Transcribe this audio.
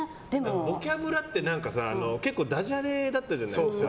「ボキャブラ」って結構だじゃれだったじゃないですか。